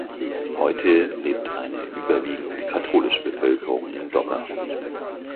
Heute lebt eine überwiegend katholische Bevölkerung in Dobra.